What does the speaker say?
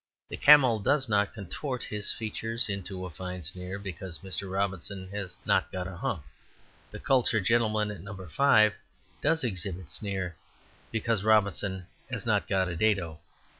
The camel does not contort his features into a fine sneer because Mr. Robinson has not got a hump; the cultured gentleman at No. 5 does exhibit a sneer because Robinson has not got a dado.